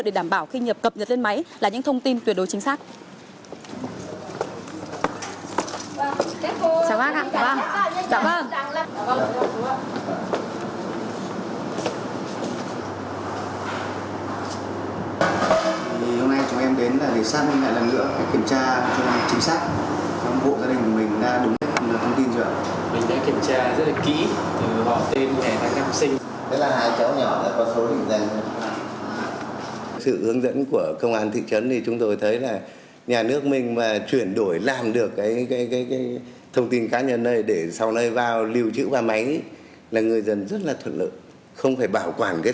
để đảm bảo tiến độ thì sẽ phân thành nhiều cái ca làm việc trong một ngày